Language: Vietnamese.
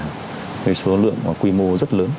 thì số lượng và quy mô rất lớn